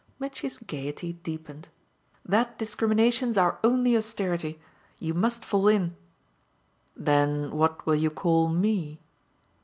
Mitchy's gaiety deepened. "That discrimination's our only austerity. You must fall in." "Then what will you call ME?"